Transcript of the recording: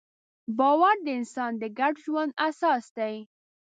باور د انسان د ګډ ژوند اساس دی.